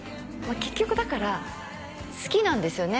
結局だから好きなんですよね